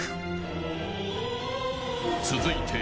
［続いて］